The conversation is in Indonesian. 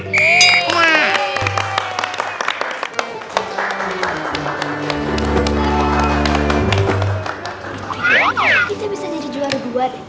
kita bisa jadi juara dua